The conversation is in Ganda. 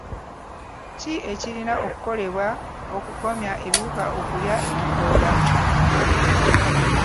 Ki ekirina okukolebwa okukomya ebiwuka okulya ebikoola?